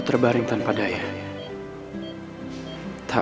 dan biar rex anjing lo